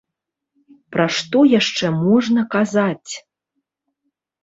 Пра што яшчэ можна казаць?